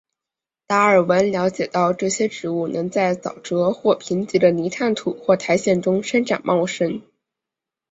达尔文了解到这些植物能在沼泽或贫瘠的泥炭土或苔藓中生长茂盛。